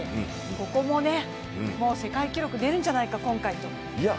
ここも世界記録出るんじゃないか今回と。